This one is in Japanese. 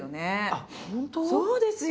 そうですよ。